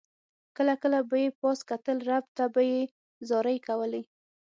کله کله به یې پاس کتل رب ته به یې زارۍ کولې.